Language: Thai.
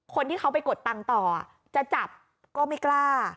คนที่เขาไปกดตังค์ต่อจะจับก็ไม่กล้า